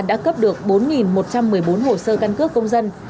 đã cấp được bốn một trăm một mươi bốn hồ sơ căn cước công dân